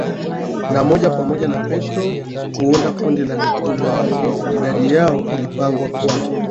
na moja pamoja na Petro kuunda kundi la mitume wake Idadi yao ilipangwa kwa